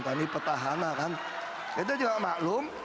kami petahana kan kita juga maklum